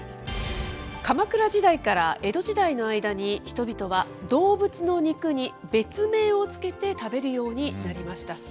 鎌倉時代から江戸時代の間に、人々は動物の肉に別名をつけて食べるようになりました。